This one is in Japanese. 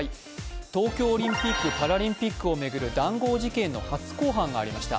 東京オリンピック・パラリンピックを巡る談合事件の初公判がありました。